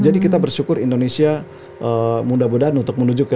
jadi kita bersyukur indonesia mudah mudahan untuk menuju ke nikel